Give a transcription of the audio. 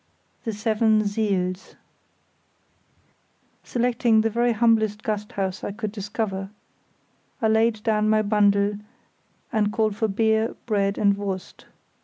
The Seven Siels Selecting the very humblest Gasthaus I could discover, I laid down my bundle and called for beer, bread, and _Wurst.